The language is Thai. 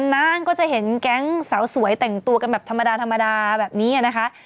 นานก็จะเห็นแก๊งสาวสวยแต่งตัวกันแบบธรรมดาแบบนี้นะคะ